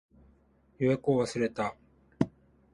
予約を忘れた